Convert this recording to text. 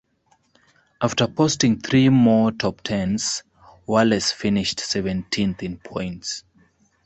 After posting three more top-tens, Wallace finished seventeenth in points.